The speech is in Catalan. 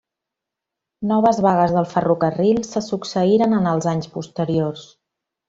Noves vagues del ferrocarril se succeïren en els anys posteriors.